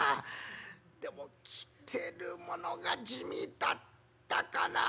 でも着てるものが地味だったかなあ。